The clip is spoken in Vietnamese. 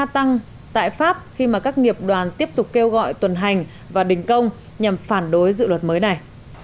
tăng tại pháp khi mà các nghiệp đoàn tiếp tục kêu gọi tuần hành và đình công nhằm phản đối dự luật mới này